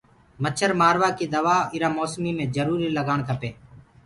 مڇآ مآروآ ڪي دوآ اُرو موسمو مي جروُر لگآڻ ڪپينٚ۔